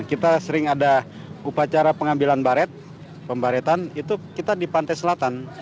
kita sering ada upacara pengambilan baret pembaretan itu kita di pantai selatan